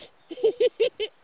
フフフフフ！